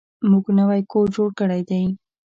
موږ نوی کور جوړ کړی دی.